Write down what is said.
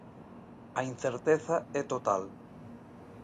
A incerteza é total.